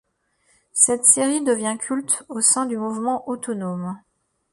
Cette série devient culte au sein du mouvement autonome.